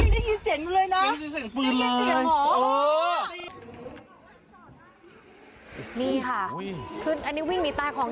นี่ค่ะเพิ่มอันนี้วิ่งมีตาของจริงเลยนะครับกูคือดินเบียงหลังจากที่